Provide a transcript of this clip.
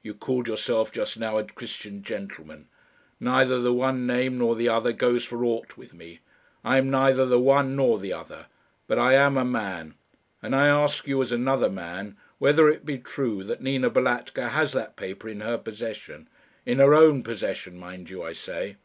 You called yourself just now a Christian gentleman. Neither the one name nor the other goes for aught with me. I am neither the one nor the other. But I am a man; and I ask you, as another man, whether it be true that Nina Balatka has that paper in her possession in her own possession, mind you, I say."